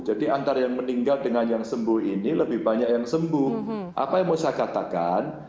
jadi antara yang meninggal dengan yang sembuh ini lebih banyak yang sembuh apa yang mau saya katakan